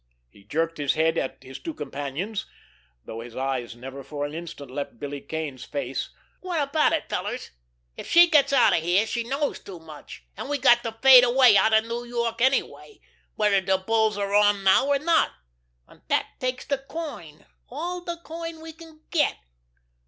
He jerked his head at his two companions, though his eyes never for an instant left Billy Kane's face. "Wot about it, fellers? If she gets out of here she knows too much, an' we got to fade away outer New York anyway, whether de bulls are on now or not. An' dat takes de coin—all de coin we can get.